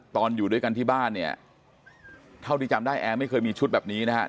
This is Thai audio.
อยู่ด้วยกันที่บ้านเนี่ยเท่าที่จำได้แอร์ไม่เคยมีชุดแบบนี้นะครับ